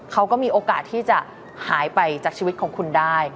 เขาก็มีโอกาสที่จะหายไปจากชีวิตของคุณได้